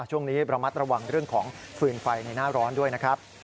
ช่วงนี้ระมัดระวังเรื่องของฟืนไฟในหน้าร้อนด้วยนะครับ